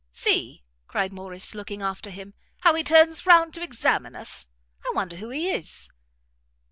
"See," cried Morrice, looking after him, "how he turns round to examine us! I wonder who he is."